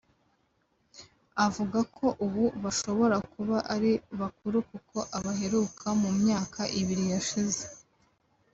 avuga ko ubu bashobora kuba ari bakuru kuko abaheruka mu myaka ibiri ishize